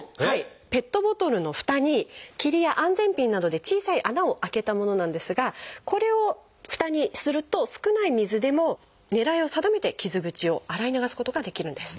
ペットボトルのふたにきりや安全ピンなどで小さい穴を開けたものなんですがこれをふたにすると少ない水でも狙いを定めて傷口を洗い流すことができるんです。